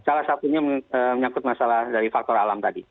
salah satunya menyangkut masalah dari faktor alam tadi